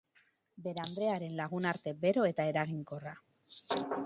Bere andrearen lagunarte bero eta eraginkorra.